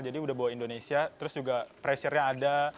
jadi sudah bawa indonesia terus juga pressure nya ada